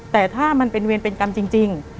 แต่ถ้ามันเป็นเวรเป็นกรรมจริง